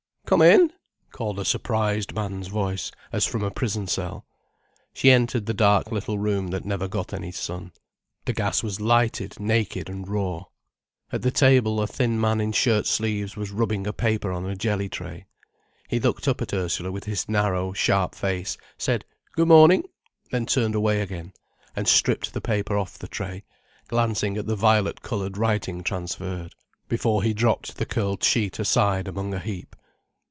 "Come in!" called a surprised man's voice, as from a prison cell. She entered the dark little room that never got any sun. The gas was lighted naked and raw. At the table a thin man in shirt sleeves was rubbing a paper on a jellytray. He looked up at Ursula with his narrow, sharp face, said "Good morning," then turned away again, and stripped the paper off the tray, glancing at the violet coloured writing transferred, before he dropped the curled sheet aside among a heap.